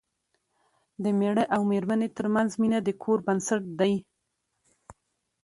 د مېړه او مېرمنې ترمنځ مینه د کور بنسټ دی.